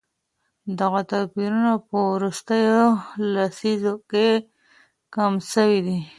دغه توپيرونه په وروستيو لسيزو کي کم سوي دي.